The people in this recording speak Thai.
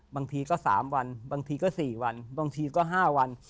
บางทีก็สามวันบางทีก็สี่วันบางทีก็ห้าวัน